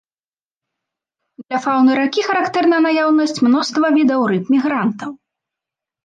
Для фаўны ракі характэрна наяўнасць мноства відаў рыб-мігрантаў.